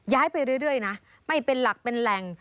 ไปเรื่อยนะไม่เป็นหลักเป็นแหล่ง